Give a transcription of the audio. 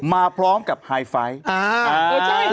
มาพร้อมกับไฮไฟท์